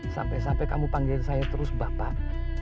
sampai sampai kamu panggil saya terus bapak